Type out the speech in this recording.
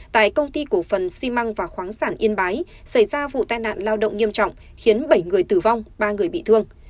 tại công ty cổ phần xi măng và khoáng sản yên bái xảy ra vụ tai nạn lao động nghiêm trọng khiến bảy người tử vong ba người bị thương